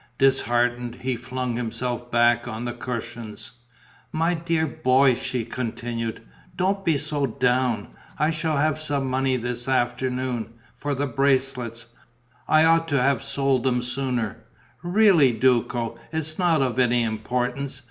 Disheartened, he flung himself back on the cushions. "My dear boy," she continued, "don't be so down. I shall have some money this afternoon, for the bracelets. I ought to have sold them sooner. Really, Duco, it's not of any importance.